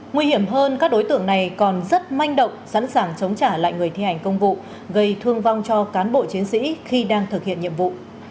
nguy hiểm hơn các đối tượng này còn rất manh động sẵn sàng chống trả lại người thi hành công vụ gây thương vong cho cán bộ chiến sĩ khi đang thực hiện nhiệm vụ